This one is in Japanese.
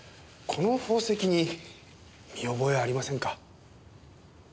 この宝石に見覚えありませんか？